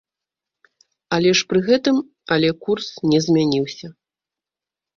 Але ж пры гэтым але курс не змяніўся.